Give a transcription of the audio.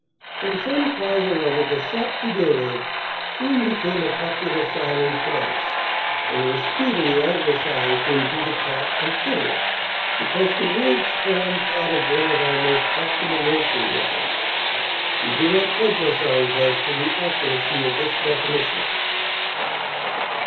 From some cause or other the 'Chat fidèle' soon became a popular sign in France, and was speedily Anglicised into 'The Cat and Fiddle,' because the words form part of one of our most popular nursery rhymes. We do not pledge ourselves as to the accuracy of this definition."